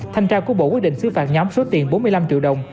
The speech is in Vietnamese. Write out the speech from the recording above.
thanh tra của bộ quyết định xứ phạt nhóm số tiền bốn mươi năm triệu đồng